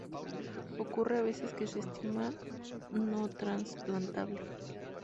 Ocurre a veces que se estima no-trasplantable.